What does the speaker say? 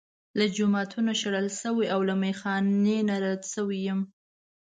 له جوماته شړل شوی او له میخا نه رد شوی یم.